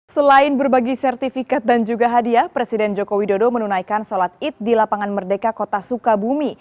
selain berbagi sertifikat dan juga hadiah presiden joko widodo menunaikan sholat id di lapangan merdeka kota sukabumi